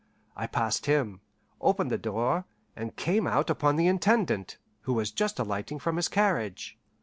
I passed him, opened the door, and came out upon the Intendant, who was just alighting from his carriage.